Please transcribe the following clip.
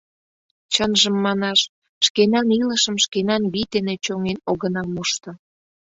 Чынжым манаш: шкенан илышым шкенан вий дене чоҥен огына мошто.